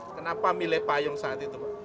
kenapa milih payung saat itu pak